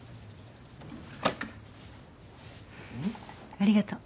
ありがとう。